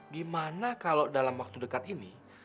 gimana kalau dalam waktu dekat ini